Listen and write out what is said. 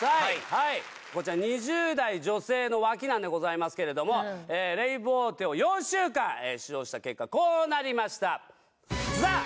はいこちら２０代女性の脇なんでございますけれどもええレイボーテを４週間使用した結果こうなりましたザッ